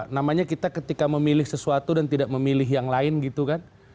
namanya kita ketika memilih sesuatu dan tidak memilih yang lain gitu kan